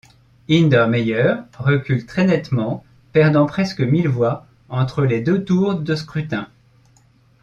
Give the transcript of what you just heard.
Hindermeyer recule très nettement perdant presque mille voix entre les deux tours de scrutin.